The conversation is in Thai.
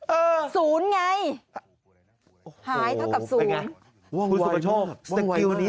เออศูนย์ไงหายเท่ากับศูนย์